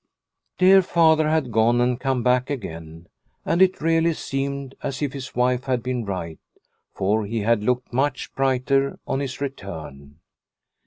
Dear Father had gone and come back again, and it really seemed as if his wife had been right, for he had looked much brighter on his return.